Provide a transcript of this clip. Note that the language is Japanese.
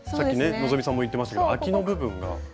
希さんも言ってましたけどあきの部分が。